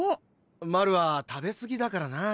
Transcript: マルは食べ過ぎだからなあ。